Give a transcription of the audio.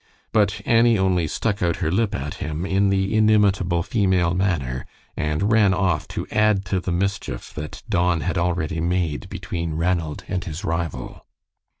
But Annie only stuck out her lip at him in the inimitable female manner, and ran off to add to the mischief that Don had already made between Ranald and his rival.